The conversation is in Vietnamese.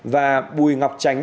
và bùi ngọc tránh